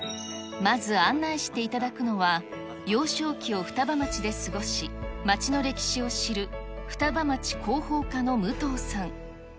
まず案内していただくのは、幼少期を双葉町で過ごし、町の歴史を知る双葉町広報課の武藤さん。